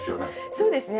そうですね。